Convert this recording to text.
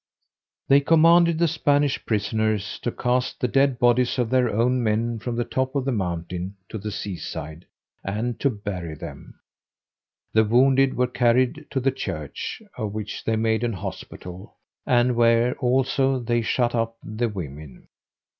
They commanded the Spanish prisoners to cast the dead bodies of their own men from the top of the mountain to the seaside, and to bury them. The wounded were carried to the church, of which they made an hospital, and where also they shut up the women.